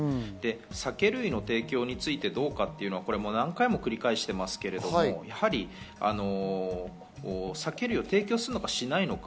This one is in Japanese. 酒類の提供についてどうかと何回も繰り返していますけれども酒類を提供するのかしないのか